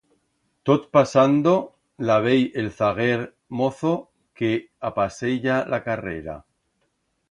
Tot pasando la vei el zaguer mozo que apaseya la carrera.